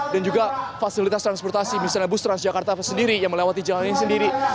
dan juga fasilitas transportasi misalnya bus trans jakarta sendiri yang melewati jalan ini sendiri